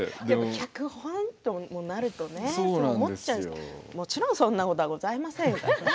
脚本ともなるとねそう思っちゃいますけどもちろん、そんなことはございませんからね。